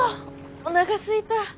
おながすいた。